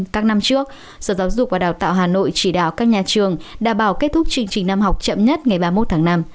các năm trước sở giáo dục và đào tạo hà nội chỉ đạo các nhà trường đảm bảo kết thúc chương trình năm học chậm nhất ngày ba mươi một tháng năm